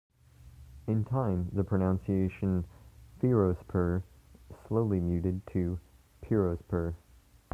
In time, the pronunciation 'Firozpur' slowly muted to 'Pirozpur'.